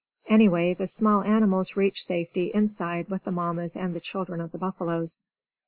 Anyway, the small animals reach safety inside with the Mammas and the children of the buffaloes.